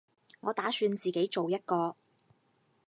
我打算自己做一個